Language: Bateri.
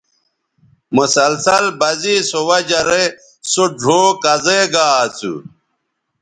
مسلسل بزے سو وجہ رے سو ڙھؤ کزے گا اسو